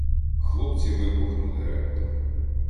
Хлопці вибухнули реготом.